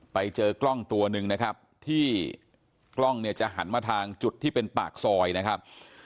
ไปเจอกล้องตัวหนึ่งที่กล้องหันมาทางจุดที่เป็นปากด่วนซอย